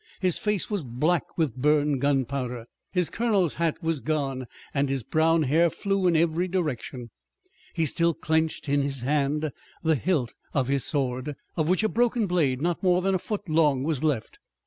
His face was black with burned gunpowder. His colonel's hat was gone and his brown hair flew in every direction. He still clenched in his hand the hilt of his sword, of which a broken blade not more than a foot long was left.